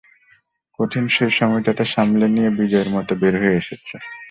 কিন্তু কঠিন সেই সময়টাকে সামলে নিয়ে বিজয়ীর মতো বের হয়ে এসেছে।